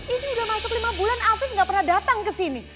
ini udah masuk lima bulan afif gak pernah datang ke sini